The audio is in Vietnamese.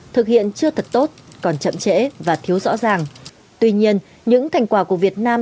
thực hiện chưa thật tốt còn chậm trễ và thiếu rõ ràng tuy nhiên những thành quả của việt nam